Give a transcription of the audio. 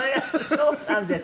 そうなんですか。